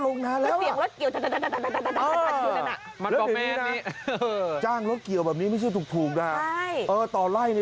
รถเกี่ยวข้าว